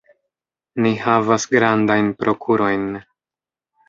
Ni havas grandajn prokurojn.